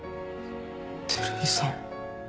照井さん。